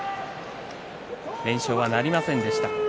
連勝はなりませんでした。